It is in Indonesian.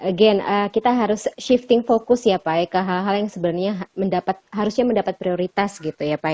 again kita harus shifting focus ya pak ke hal hal yang sebenarnya harusnya mendapat prioritas gitu ya pak ya